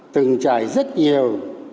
từng trải rất nhiều